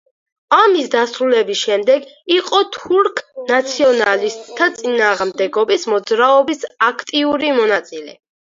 ომის დასრულების შემდეგ იყო თურქ ნაციონალისტთა წინააღმდეგობის მოძრაობის აქტიური მონაწილე.